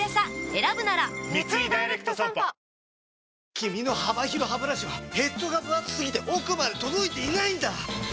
君の幅広ハブラシはヘッドがぶ厚すぎて奥まで届いていないんだ！